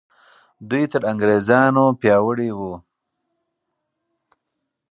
دوی تر انګریزانو پیاوړي وو.